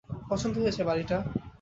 পছন্দ হয়েছে বাড়িটা?